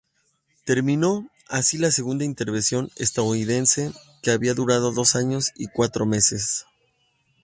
Terminó así la segunda intervención estadounidense, que había durado dos años y cuatro meses.